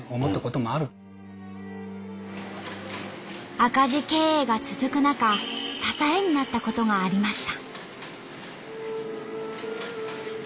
赤字経営が続く中支えになったことがありました。